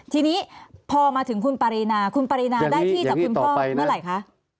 ทีนี้พอมาถึงคุณปรินาคุณปรินาได้ที่จากคุณพ่อเมื่อไหร่คะ